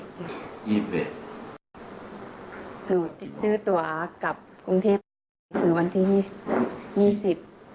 หนูซื้อตัวกลับกรุงเทพฯคือวันที่๒๐